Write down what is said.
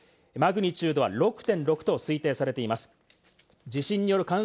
マグニチュードは６．６と推定されています。